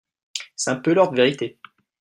C’est un peu l’heure de vérité.